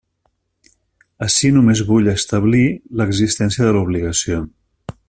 Ací només vull establir l'existència de l'obligació.